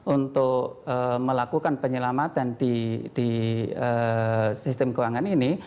untuk melakukan penyelamatan di sistem keuangan ini